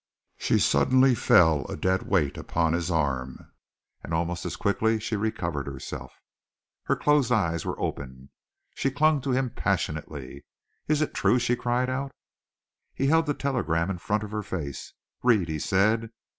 She suddenly fell a dead weight upon his arm, and almost as quickly she recovered herself. Her closed eyes were opened, she clung to him passionately. "It is true?" she cried out. He held the telegram in front of her face. "Read," he said.